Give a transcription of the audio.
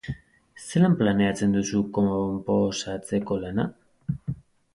Zelan planteatzen duzu konposatzeko lana?